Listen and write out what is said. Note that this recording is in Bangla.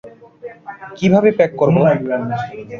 কীভাবে প্যাক করব?